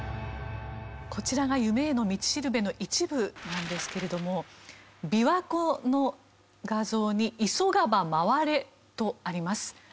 こちらが「夢への道しるべ」の一部なんですけれどもびわ湖の画像に「急がば回れ」とあります。